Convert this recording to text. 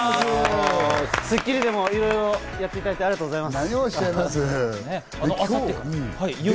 『スッキリ』でもいろいろやっていただいて、ありがとうございます。